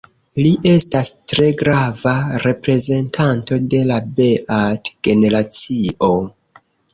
Li estas tre grava reprezentanto de la Beat-generacio.